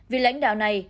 vì lãnh đạo này